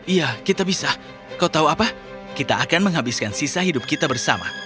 iya kita bisa kau tahu apa kita akan menghabiskan sisa hidup kita bersama